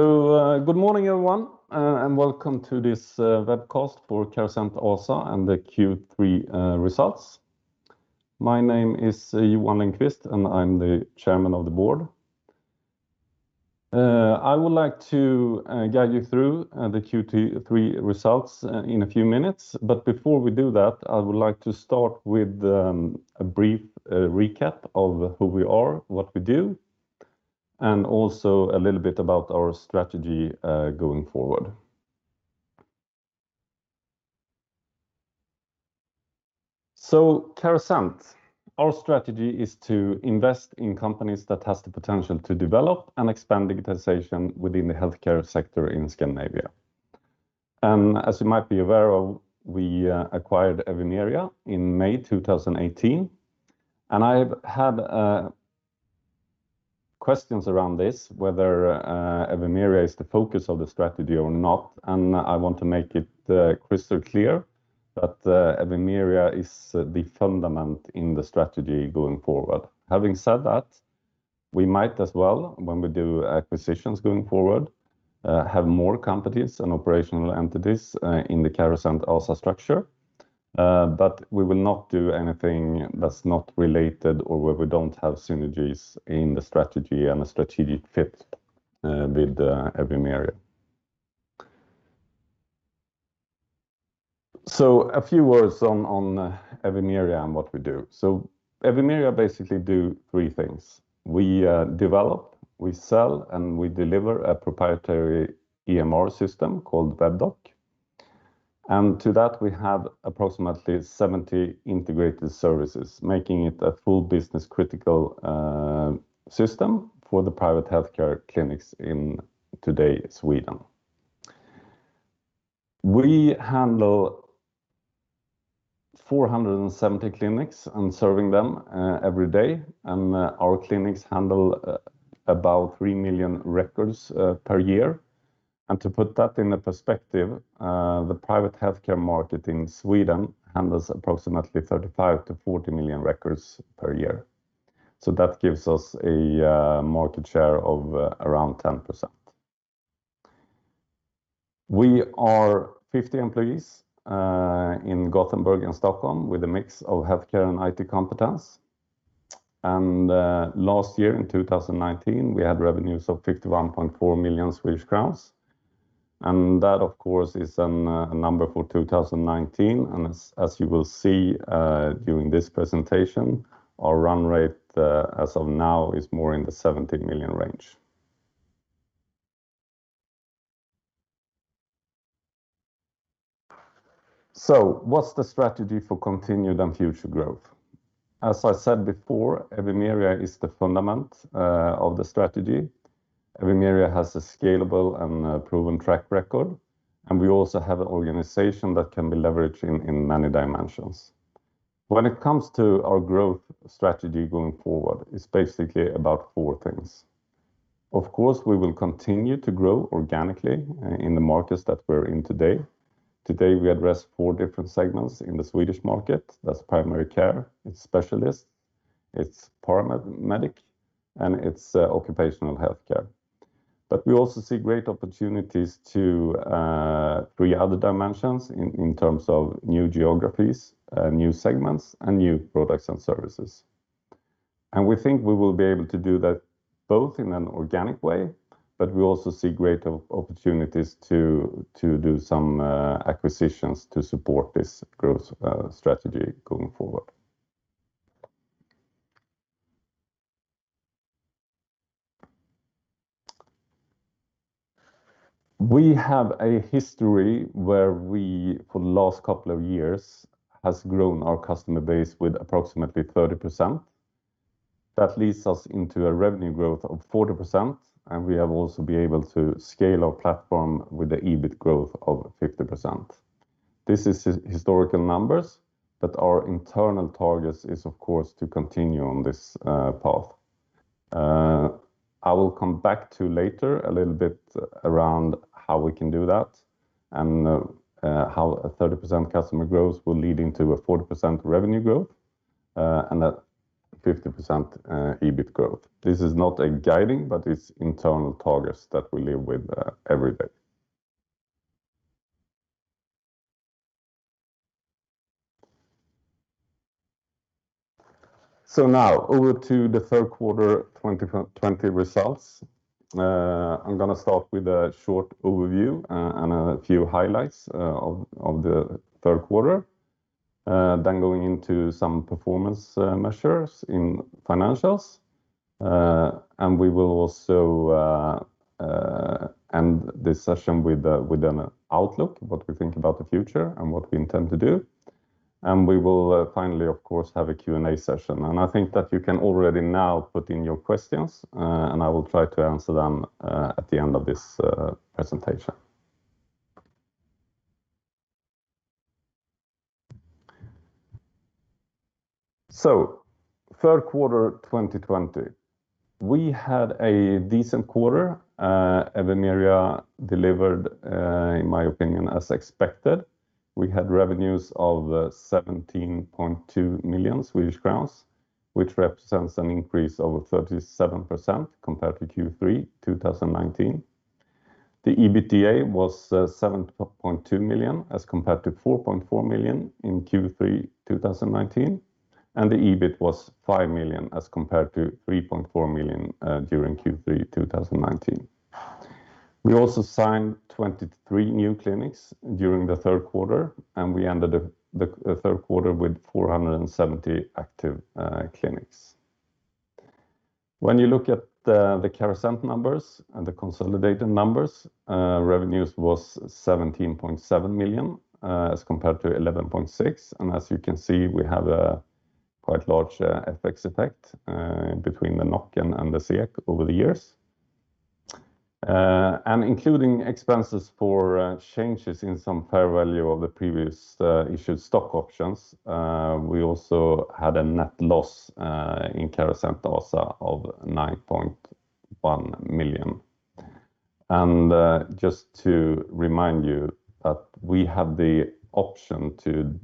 Good morning, everyone, and welcome to this webcast for Carasent ASA and the Q3 results. My name is Johan Lindqvist, and I'm the Chairman of the Board. I would like to guide you through the Q3 results in a few minutes. Before we do that, I would like to start with a brief recap of who we are, what we do, and also a little bit about our strategy going forward. Carasent, our strategy is to invest in companies that have the potential to develop and expand digitization within the healthcare sector in Scandinavia. As you might be aware of, we acquired Evimeria in May 2018, and I've had questions around this, whether Evimeria is the focus of the strategy or not, and I want to make it crystal clear that Evimeria is the fundament in the strategy going forward. Having said that, we might as well, when we do acquisitions going forward, have more companies and operational entities in the Carasent ASA structure. We will not do anything that's not related or where we don't have synergies in the strategy and a strategic fit with Evimeria. A few words on Evimeria and what we do. Evimeria basically do three things. We develop, we sell, and we deliver a proprietary EMR system called Webdoc. To that, we have approximately 70 integrated services, making it a full business critical system for the private healthcare clinics in today's Sweden. We handle 470 clinics and serving them every day, and our clinics handle about 3 million records per year. To put that in a perspective, the private healthcare market in Sweden handles approximately 35 million-40 million records per year. That gives us a market share of around 10%. We are 50 employees in Gothenburg and Stockholm with a mix of healthcare and IT competence. Last year in 2019, we had revenues of 51.4 million Swedish crowns, and that, of course, is a number for 2019. As you will see during this presentation, our run rate as of now is more in the 70 million range. What's the strategy for continued and future growth? As I said before, Evimeria is the fundament of the strategy. Evimeria has a scalable and proven track record, and we also have an organization that can be leveraged in many dimensions. When it comes to our growth strategy going forward, it's basically about four things. Of course, we will continue to grow organically in the markets that we're in today. Today, we address four different segments in the Swedish market. That's primary care, it's specialist, it's paramedical, and it's occupational healthcare. We also see great opportunities to three other dimensions in terms of new geographies, new segments, and new products and services. We think we will be able to do that both in an organic way, but we also see great opportunities to do some acquisitions to support this growth strategy going forward. We have a history where we, for the last couple of years, has grown our customer base with approximately 30%. That leads us into a revenue growth of 40%, and we have also been able to scale our platform with the EBIT growth of 50%. This is historical numbers, but our internal target is, of course, to continue on this path. I will come back to later a little bit around how we can do that and how a 30% customer growth will lead into a 40% revenue growth, and that 50% EBIT growth. This is not a guiding, but it's internal targets that we live with every day. Now over to the third quarter 2020 results. I'm going to start with a short overview and a few highlights of the third quarter, then going into some performance measures in financials. We will also end this session with an outlook, what we think about the future and what we intend to do. We will finally, of course, have a Q&A session. I think that you can already now put in your questions, and I will try to answer them at the end of this presentation. Third quarter 2020. We had a decent quarter. Evimeria delivered, in my opinion, as expected. We had revenues of 17.2 million Swedish crowns, which represents an increase of 37% compared to Q3 2019. The EBITDA was 7.2 million as compared to 4.4 million in Q3 2019, and the EBIT was 5 million as compared to 3.4 million during Q3 2019. We also signed 23 new clinics during the third quarter, and we ended the third quarter with 470 active clinics. When you look at the Carasent numbers and the consolidated numbers, revenues was 17.7 million as compared to 11.6 million. As you can see, we have a quite large FX effect between the NOK and the SEK over the years. Including expenses for changes in some fair value of the previous issued stock options, we also had a net loss in Carasent ASA of 9.1 million. Just to remind you that we have the option to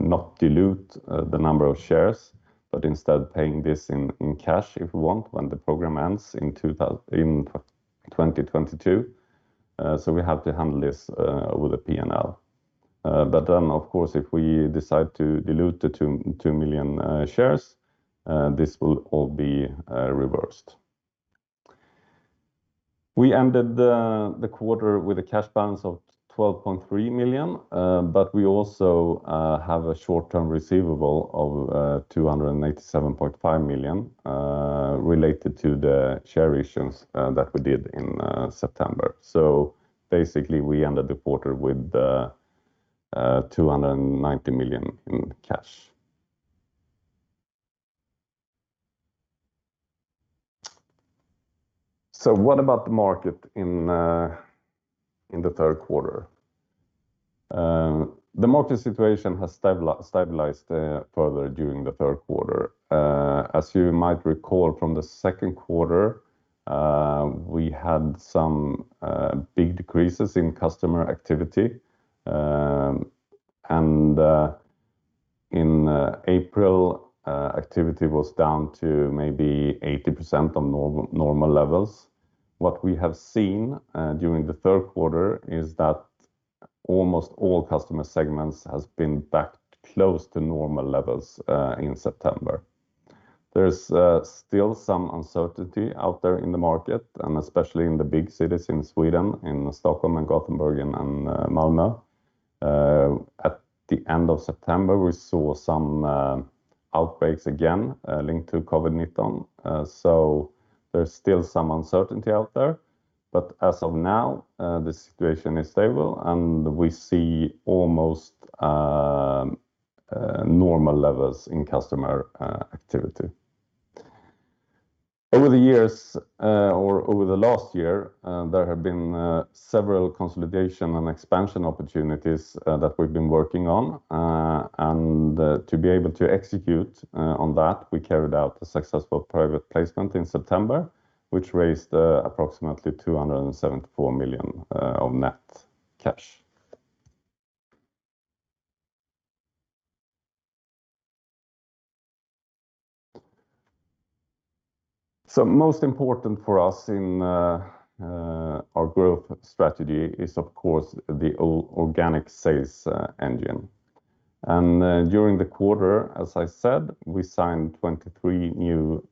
not dilute the number of shares, but instead paying this in cash if we want when the program ends in 2022. We have to handle this with a P&L. Then, of course, if we decide to dilute the 2 million shares, this will all be reversed. We ended the quarter with a cash balance of 12.3 million, but we also have a short-term receivable of 287.5 million, related to the share issues that we did in September. Basically, we ended the quarter with 290 million in cash. What about the market in the third quarter? The market situation has stabilized further during the third quarter. As you might recall from the second quarter, we had some big decreases in customer activity, and in April, activity was down to maybe 80% of normal levels. What we have seen during the third quarter is that almost all customer segments has been back close to normal levels in September. There's still some uncertainty out there in the market, and especially in the big cities in Sweden, in Stockholm and Gothenburg and Malmö. At the end of September, we saw some outbreaks again linked to COVID-19. There's still some uncertainty out there. As of now, the situation is stable, and we see almost normal levels in customer activity. Over the years, or over the last year, there have been several consolidation and expansion opportunities that we've been working on. To be able to execute on that, we carried out a successful private placement in September, which raised approximately 274 million of net cash. Most important for us in our growth strategy is, of course, the organic sales engine. During the quarter, as I said, we signed 23 new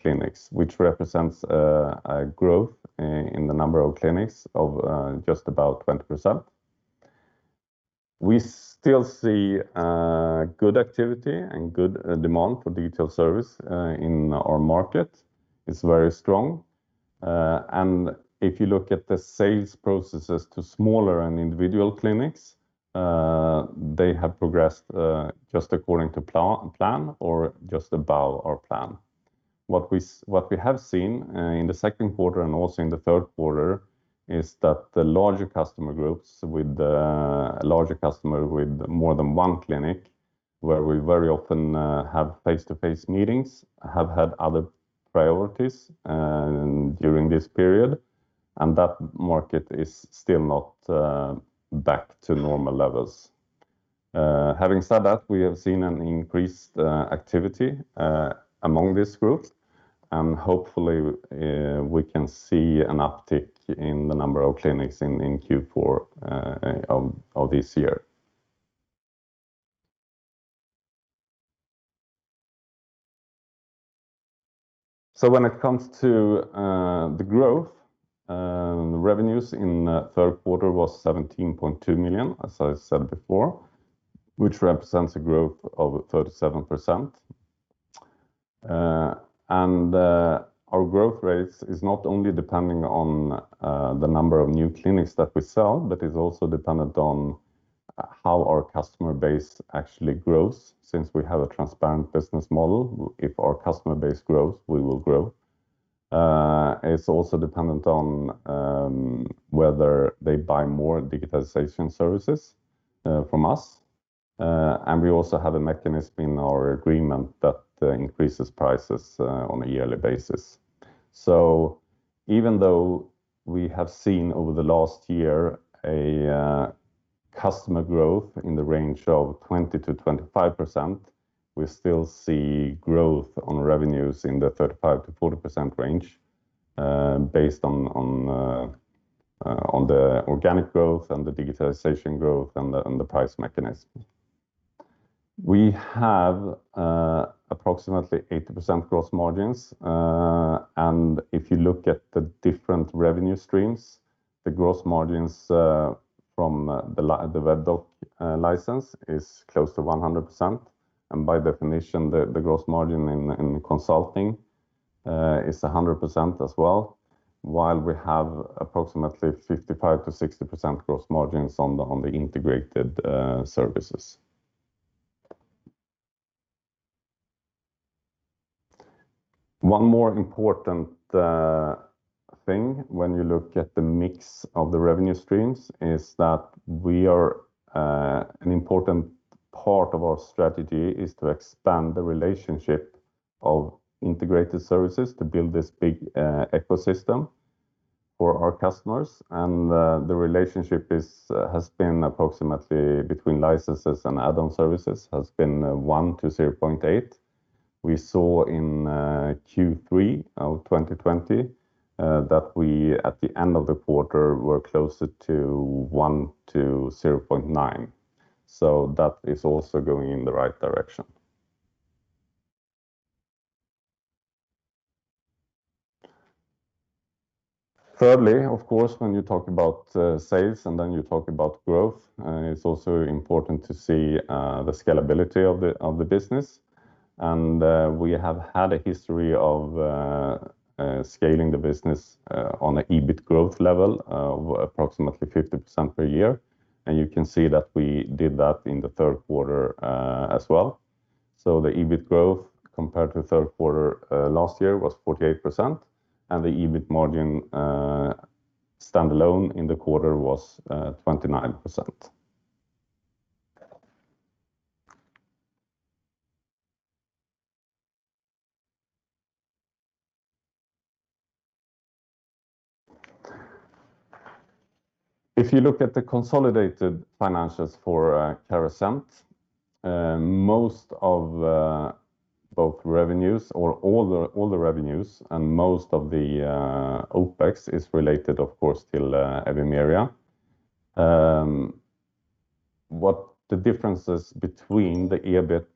clinics, which represents a growth in the number of clinics of just about 20%. We still see good activity and good demand for digital service in our market. It's very strong. If you look at the sales processes to smaller and individual clinics, they have progressed just according to plan or just above our plan. What we have seen in the second quarter and also in the third quarter is that the larger customer groups with the larger customer with more than one clinic, where we very often have face-to-face meetings, have had other priorities during this period, and that market is still not back to normal levels. Having said that, we have seen an increased activity among this group, and hopefully, we can see an uptick in the number of clinics in Q4 of this year. When it comes to the growth, the revenues in the third quarter was 17.2 million, as I said before, which represents a growth of 37%. Our growth rates is not only depending on the number of new clinics that we sell, but it's also dependent on how our customer base actually grows, since we have a transparent business model. If our customer base grows, we will grow. It's also dependent on whether they buy more digitalization services from us. We also have a mechanism in our agreement that increases prices on a yearly basis. Even though we have seen over the last year a customer growth in the range of 20%-25%, we still see growth on revenues in the 35%-40% range based on the organic growth and the digitalization growth and the price mechanism. We have approximately 80% gross margins. If you look at the different revenue streams, the gross margins from the Webdoc license is close to 100%. By definition, the gross margin in consulting is 100% as well, while we have approximately 55%-60% gross margins on the integrated services. One more important thing when you look at the mix of the revenue streams is that an important part of our strategy is to expand the relationship of integrated services to build this big ecosystem for our customers. The relationship has been approximately between licenses and add-on services has been 1-0.8. We saw in Q3 of 2020 that we, at the end of the quarter, were closer to one to 0.9. That is also going in the right direction. Thirdly, of course, when you talk about sales, you talk about growth, it's also important to see the scalability of the business. We have had a history of scaling the business on an EBIT growth level of approximately 50% per year. You can see that we did that in the third quarter as well. The EBIT growth compared to the third quarter last year was 48%, and the EBIT margin standalone in the quarter was 29%. If you look at the consolidated financials for Carasent, most of both revenues or all the revenues and most of the OpEx is related, of course, to Evimeria. What the differences between the EBIT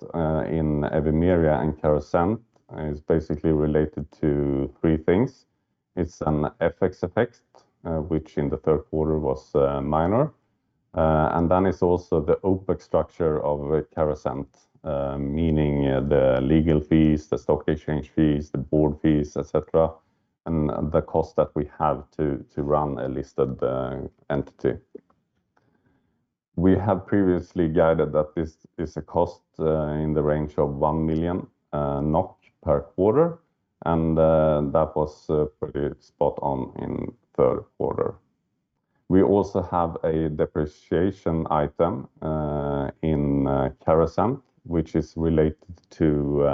in Evimeria and Carasent is basically related to three things. It's an FX effect, which in the third quarter was minor. Then it's also the OpEx structure of Carasent, meaning the legal fees, the stock exchange fees, the board fees, et cetera, and the cost that we have to run a listed entity. We have previously guided that this is a cost in the range of 1 million NOK per quarter, that was pretty spot on in the third quarter. We also have a depreciation item in Carasent, which is related to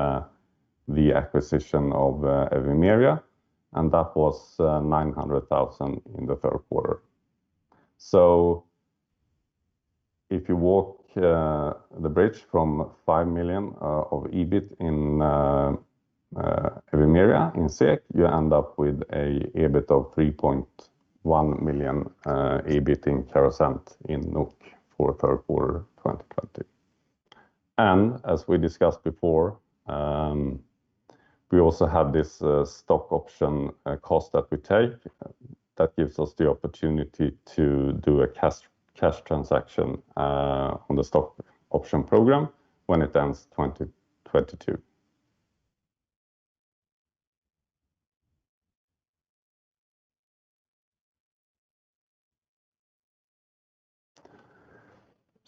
the acquisition of Evimeria, that was 900,000 in the third quarter. If you walk the bridge from 5 million of EBIT in Evimeria, you end up with an EBIT of 3.1 million EBIT in Carasent for third quarter 2020. As we discussed before, we also have this stock option cost that we take that gives us the opportunity to do a cash transaction on the stock option program when it ends 2022.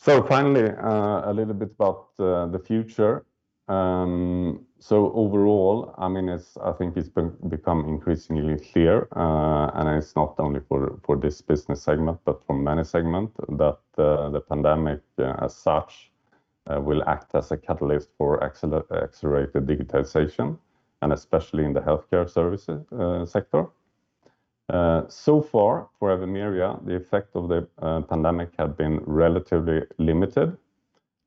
Finally, a little bit about the future. Overall, I think it's become increasingly clear, and it's not only for this business segment, but for many segments, that the pandemic as such will act as a catalyst for accelerated digitalization, and especially in the healthcare services sector. Far for Evimeria, the effect of the pandemic has been relatively limited.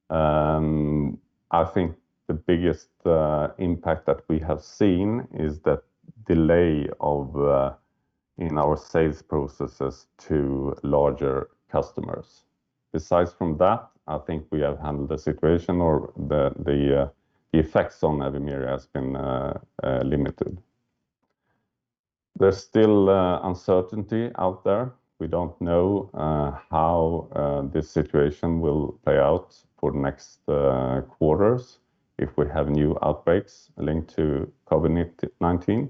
I think the biggest impact that we have seen is the delay in our sales processes to larger customers. Besides from that, I think we have handled the situation or the effects on Evimeria has been limited. There's still uncertainty out there. We don't know how this situation will play out for the next quarters if we have new outbreaks linked to COVID-19.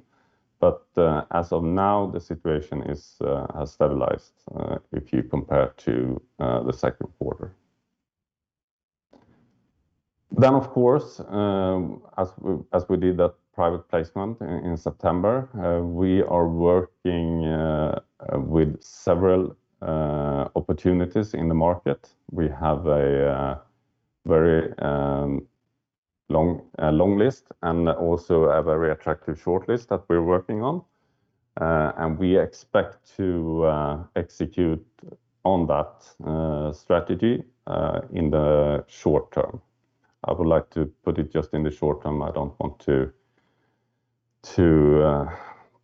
As of now, the situation has stabilized if you compare to the second quarter. Of course, as we did that private placement in September, we are working with several opportunities in the market. We have a very long list and also a very attractive shortlist that we're working on. We expect to execute on that strategy in the short term. I would like to put it just in the short term. I don't want to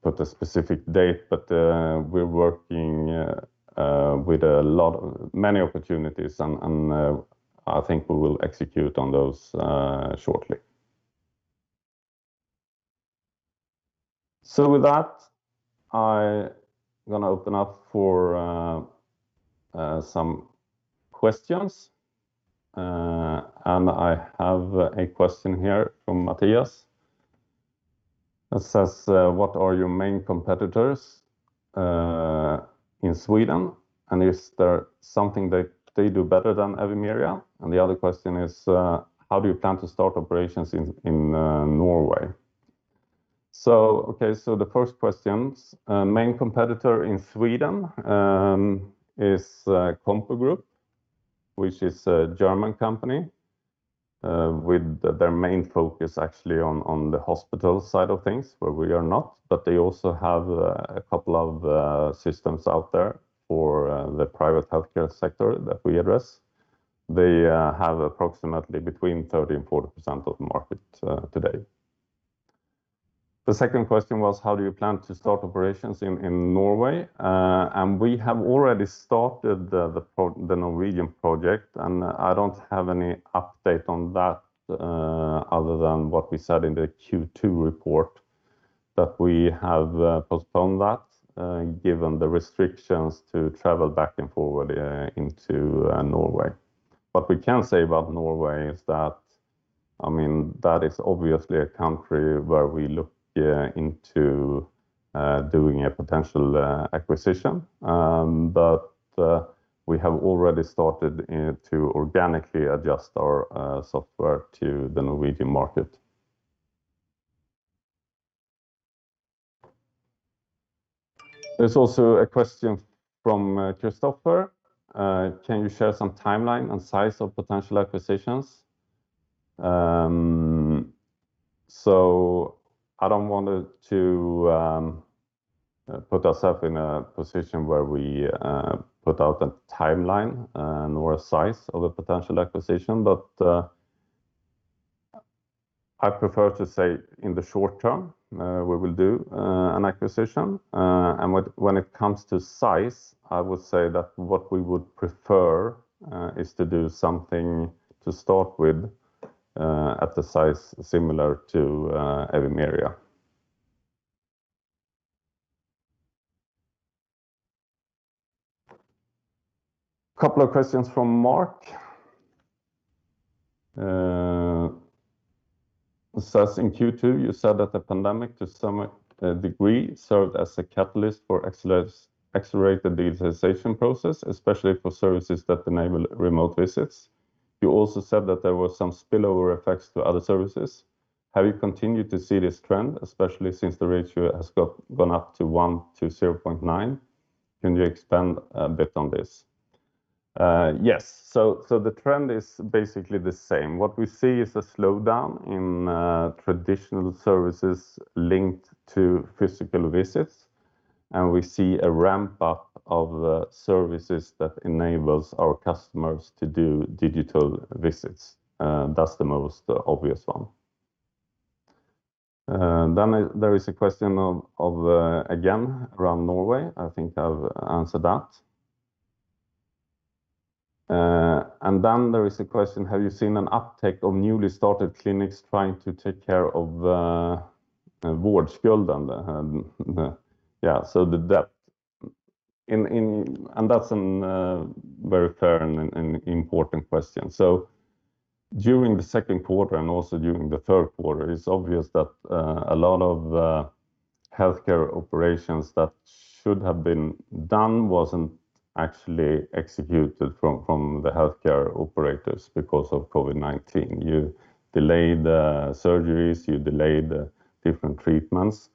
put a specific date, but we're working with many opportunities, and I think we will execute on those shortly. With that, I'm going to open up for some questions. I have a question here from Matthias that says, "What are your main competitors in Sweden, and is there something that they do better than Evimeria?" The other question is, "How do you plan to start operations in Norway?" The first question, main competitor in Sweden is CompuGroup, which is a German company with their main focus actually on the hospital side of things, where we are not, but they also have a couple of systems out there for the private healthcare sector that we address. They have approximately between 30% and 40% of the market today. The second question was, how do you plan to start operations in Norway? We have already started the Norwegian project, and I don't have any update on that other than what we said in the Q2 report, that we have postponed that given the restrictions to travel back and forward into Norway. What we can say about Norway is that is obviously a country where we look into doing a potential acquisition. We have already started to organically adjust our software to the Norwegian market. There's also a question from Christopher. "Can you share some timeline and size of potential acquisitions?" I don't want to put ourselves in a position where we put out a timeline nor a size of a potential acquisition, but I prefer to say in the short term, we will do an acquisition. When it comes to size, I would say that what we would prefer is to do something to start with at the size similar to Evimeria. Couple of questions from Mark. Says, "In Q2, you said that the pandemic, to some degree, served as a catalyst for accelerated digitalization process, especially for services that enable remote visits. You also said that there was some spillover effects to other services. Have you continued to see this trend, especially since the ratio has gone up to 1x-0.9x? Can you expand a bit on this?" Yes. The trend is basically the same. What we see is a slowdown in traditional services linked to physical visits, and we see a ramp-up of services that enables our customers to do digital visits. That's the most obvious one. There is a question of, again, around Norway. I think I've answered that. Then there is a question, "Have you seen an uptake of newly started clinics trying to take care of the 'vårdskulden?'" The debt. That's a very fair and important question. During the second quarter and also during the third quarter, it's obvious that a lot of healthcare operations that should have been done wasn't actually executed from the healthcare operators because of COVID-19. You delay the surgeries, you delay the different treatments,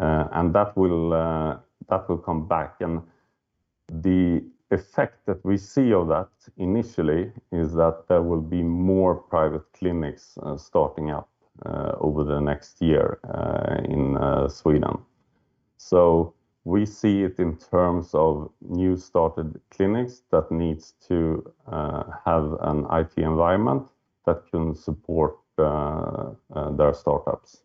and that will come back. The effect that we see of that initially is that there will be more private clinics starting up over the next year in Sweden. We see it in terms of new started clinics that needs to have an IT environment that can support their startups.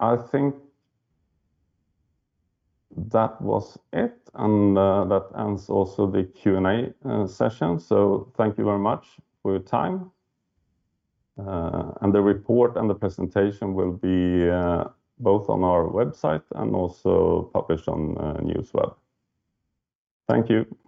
I think that was it. That ends also the Q&A session. Thank you very much for your time. The report and the presentation will be both on our website and also published on Newsweb. Thank you.